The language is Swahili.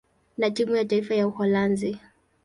na timu ya taifa ya Uholanzi.